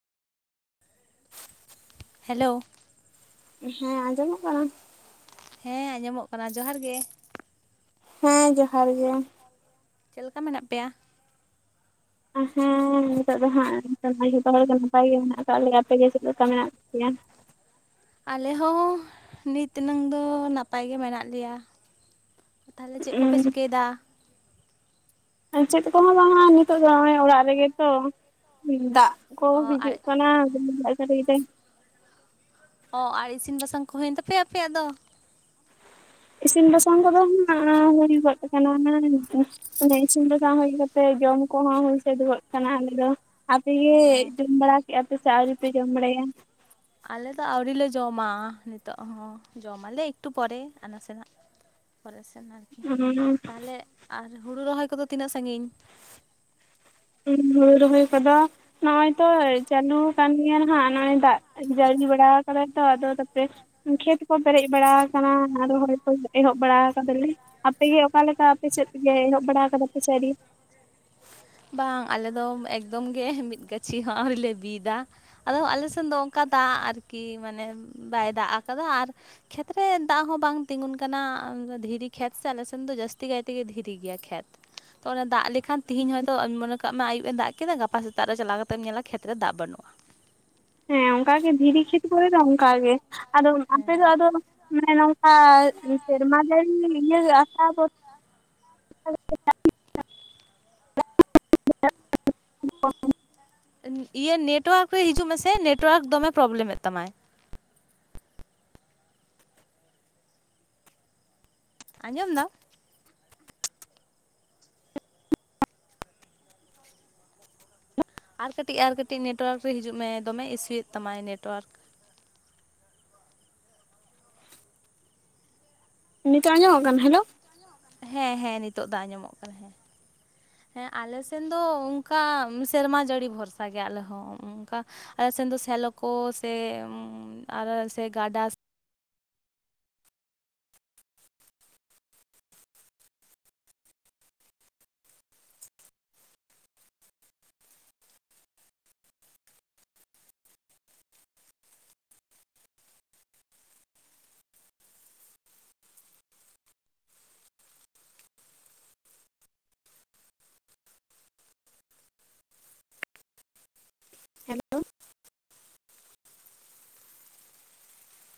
Hello. ᱦᱮᱸ ᱟᱸᱡᱚᱢᱚᱜ ᱠᱟᱱᱟ? ᱦᱮᱸ ᱟᱸᱡᱚᱢᱚᱜ ᱠᱟᱱᱟ ᱡᱚᱦᱟᱨ ᱜᱮ᱾ ᱦᱮᱸ ᱡᱚᱦᱟᱨ ᱜᱮ᱾ ᱪᱮᱫ ᱞᱮᱠᱟ ᱢᱮᱱᱟᱜ ᱯᱮᱭᱟ? ᱦᱚᱸ ᱱᱤᱛᱚᱜ ᱫᱚ ᱦᱟᱸᱜ ᱡᱚᱛᱚ ᱦᱚᱲ ᱜᱮ ᱱᱟᱯᱟᱭ ᱜᱮ ᱢᱮᱱᱟᱜ ᱟᱠᱟᱫ ᱞᱮᱭᱟ᱾ ᱟᱯᱮ ᱜᱮ ᱪᱮᱫ ᱞᱮᱠᱟ ᱢᱮᱱᱟᱜ [unintelligible] ᱟᱞᱮ ᱦᱚᱸ ᱱᱤᱛᱱᱟᱹᱝ ᱫᱚ ᱱᱟᱯᱟᱭ ᱜᱮ ᱢᱮᱱᱟᱜ ᱞᱮᱭᱟ᱾ ᱛᱟᱦᱞᱮ ᱪᱮᱫ ᱠᱚᱯᱮ ᱪᱤᱠᱟᱹᱭᱮᱫᱟ? ᱟᱨ ᱪᱮᱫ ᱠᱚᱸᱦᱚᱸ ᱵᱟᱝᱟ ᱱᱤᱛᱚᱜ ᱡᱟᱸᱣᱟᱭ ᱚᱲᱟᱜ ᱨᱮᱜᱮ ᱛᱚ ᱢᱤᱫ ᱫᱟᱜ ᱠᱚ ᱚ ᱟᱨ ᱦᱤᱡᱩᱜ ᱠᱟᱱᱟ ᱨᱤᱢᱤᱞ ᱫᱟᱜ ᱡᱟᱲᱤ ᱮᱫᱟᱭ᱾ ᱚ ᱟᱨ ᱤᱥᱤᱱ ᱵᱟᱥᱟᱝ ᱠᱚ ᱦᱩᱭᱮᱱ ᱛᱟᱯᱮᱭᱟ ᱟᱯᱮᱭᱟᱜ ᱫᱚ? ᱤᱥᱤᱱ ᱵᱟᱥᱟᱝ ᱠᱚᱫᱚ ᱦᱩᱭᱩᱜᱚᱫ ᱟᱠᱟᱱᱟ᱾ ᱚᱱᱮ ᱤᱥᱤᱱ ᱵᱟᱥᱟᱝ ᱦᱩᱭ ᱠᱟᱛᱮ ᱡᱚᱢ ᱠᱚᱦᱚᱸ ᱦᱩᱭ ᱥᱟ. ᱫ ᱜᱚᱹᱫ ᱟᱠᱟᱱᱟ ᱟᱞᱮ ᱫᱚ᱾ ᱟᱯᱮ ᱚ ᱜᱮ ᱡᱚᱢ ᱵᱟᱲᱟ ᱠᱮᱟᱯᱮ ᱥᱮ ᱟ. ᱣᱨᱤ ᱯᱮ ᱡᱚᱢ ᱵᱟᱲᱟᱭᱟ? ᱟᱞᱮ ᱫᱚ ᱟᱹᱣᱨᱤ ᱞᱮ ᱡᱚᱢᱟ ᱱᱤᱛᱚᱜ ᱦᱚᱸ ᱡᱚᱢᱟᱞᱮ ᱮᱠᱴᱩ ᱯᱚᱨᱮ ᱟᱨ ᱱᱟᱥᱮᱱᱟᱜ᱾ ᱯᱚᱨᱮ ᱥᱮᱱ ᱟᱨᱠᱤ ᱦᱩᱸ ᱛᱟᱦᱞᱮ ᱟᱨ ᱦᱩᱲᱩ ᱨᱚᱦᱚᱭ ᱠᱚᱫᱚ ᱛᱤᱱᱟᱹᱜ ᱥᱟᱺᱜᱤᱧ? ᱦᱩᱲᱩ ᱨᱚᱦᱚᱭ ᱠᱚ ᱫᱚ ᱱᱚᱜᱼᱚᱭ ᱛᱚ ᱪᱟᱹᱞᱩ ᱟᱠᱟᱱ ᱜᱮᱭᱟ ᱱᱟᱦᱟᱜ ᱱᱚᱜᱚᱭ ᱫᱟᱜ ᱡᱟᱹᱲᱤ ᱵᱟᱲᱟ ᱟᱠᱟᱫᱟᱭ ᱛᱚ ᱟᱫᱚ ᱛᱯᱮ ᱠᱷᱮᱛ ᱠᱚ ᱯᱮᱨᱮᱡ ᱵᱟᱲᱟ ᱟᱠᱟᱱᱟ ᱟᱨ ᱨᱚᱦᱚᱭ ᱠᱚ ᱮᱦᱚᱵ ᱵᱟᱲᱟ ᱠᱟᱫᱟᱞᱮ᱾ ᱟᱯᱮ ᱜᱮ ᱚᱠᱟᱞᱮᱠᱟ ᱟᱯᱮ ᱥᱮᱫᱜᱮ ᱮᱦᱚᱵ ᱵᱟᱲᱟ ᱟᱠᱟᱫᱟ ᱯᱮ ᱥᱮ ᱟ. ᱣᱨᱤᱭᱟ? ᱵᱟᱝ ᱟᱞᱮ ᱫᱚ ᱮᱠᱫᱚᱢ ᱜᱮ ᱢᱤᱫ ᱜᱟᱹᱪᱷᱤ ᱦᱚᱸ ᱟᱹᱣᱨᱤ ᱞᱮ ᱵᱤᱫᱟ᱾ ᱟᱫᱚ ᱟᱞᱮ ᱥᱮᱱ ᱫᱚ ᱚᱱᱠᱟ ᱫᱟᱜ ᱟᱨᱠᱤ ᱢᱟᱱᱮ ᱵᱟᱭ ᱫᱟᱜ ᱟᱠᱟᱫᱟ ᱟᱨ ᱠᱷᱮᱛ ᱨᱮ ᱫᱟᱜ ᱦᱚᱸ ᱵᱟᱝ ᱛᱤᱸᱜᱩᱱ ᱠᱟᱱᱟ᱾ ᱫᱷᱤᱨᱤ ᱠᱷᱮᱛ ᱥᱮ ᱟᱞᱮ ᱥᱮᱱ ᱫᱚ ᱡᱟᱹᱥᱛᱤ ᱠᱟᱛᱮᱜᱮ ᱫᱷᱤᱨᱤ ᱜᱮᱭᱟ ᱠᱷᱮᱛ᱾ ᱯᱚᱨᱮ ᱫᱟᱜ ᱞᱮᱠᱷᱟᱱ ᱛᱤᱦᱤᱧ ᱦᱚᱭ ᱛᱚ ᱢᱚᱱᱮ ᱠᱟᱜ ᱢᱮ ᱟᱭᱩᱵ ᱮ ᱫᱟᱜ ᱠᱮᱫᱟ ᱜᱟᱯᱟ ᱥᱮᱛᱟᱜ ᱨᱮ ᱪᱟᱞᱟᱣ ᱠᱟᱛᱮᱢ ᱧᱮᱞᱟ ᱠᱷᱮᱛᱨᱮ ᱫᱟᱜ ᱵᱟᱹᱱᱩᱜᱼᱟ᱾ ᱦᱮᱸ ᱚᱱᱠᱟᱜᱮ ᱫᱷᱤᱨᱤ ᱠᱷᱮᱛ ᱠᱚᱨᱮ ᱫᱚ ᱚᱱᱠᱟᱜ ᱜᱮ ᱟᱫᱚ ᱟᱯᱮ ᱫᱚ ᱦᱮᱸ ᱟᱫᱚ ᱢᱟᱱᱮ ᱱᱚᱝᱠᱟ ᱥᱮᱨᱢᱟ ᱡᱟᱹᱲᱤ ᱤᱭᱟᱹ ᱟᱥᱟ ᱫᱚ [unintelligible] [inaudible] ᱤᱭᱟᱹ ᱱᱮᱴᱣᱟ. ᱨᱠ ᱨᱮ ᱦᱤᱡᱩᱜ ᱢᱮᱥᱮ ᱱᱮᱴᱣᱟ. ᱨᱠ ᱫᱚᱢᱮ ᱯᱨᱚᱵᱮᱞᱟ. ᱢ ᱮᱫ ᱛᱟᱢᱟᱭ᱾ ᱟᱸᱡᱚᱢ ᱫᱟᱢ? ᱟᱨ ᱠᱟᱹᱴᱤᱡ ᱟᱨ ᱠᱟᱹᱴᱤᱡ ᱱᱮᱴᱣᱟ. ᱨᱠ ᱨᱮ ᱦᱤᱡᱩᱜ ᱢᱮ ᱫᱚᱢᱮ ᱤᱥᱩᱭᱮᱫ ᱛᱟᱢᱟᱭ ᱱᱮᱴᱣᱟ. ᱨᱠ᱾ ᱱᱤᱛᱚᱜ ᱟᱸᱡᱚᱢᱚᱜ ᱠᱟᱱᱟ? ᱦᱮᱞᱚ᱾ ᱦᱮᱸ ᱦᱮᱸ ᱱᱤᱛᱚᱜ ᱫᱟ ᱟᱸᱡᱚᱢᱚᱜ ᱠᱟᱱᱟ ᱦᱮᱸ᱾ ᱦᱮᱸ ᱟᱞ ᱥᱮᱱ ᱫᱚ ᱚᱱᱠᱟ ᱥᱮᱨᱢᱟ ᱡᱟᱹᱲᱤ ᱵᱷᱚᱨᱥᱟ ᱜᱮ ᱟᱞᱮ ᱦᱚᱸ ᱚᱱᱠᱟ᱾ ᱟᱞᱮ ᱥᱮᱱ ᱫᱚ ᱥᱮᱞᱚ ᱠᱚ ᱥᱮ ᱟᱨ ᱥᱮ ᱜᱟᱰᱟ ᱦᱮᱞᱳ